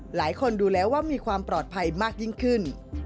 หลายคนดูแล้วว่ามีความปลอดภัยมากยิ่งขึ้น